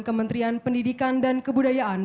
kementerian pendidikan dan kebudayaan